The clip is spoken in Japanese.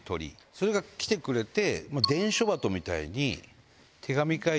それが来てくれて。